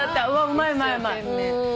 うまいうまい！